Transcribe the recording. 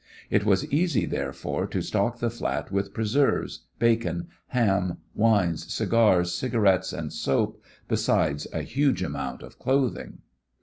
It was easy, therefore, to stock the flat with preserves, bacon, ham, wines, cigars, cigarettes and soap, besides a huge amount of clothing.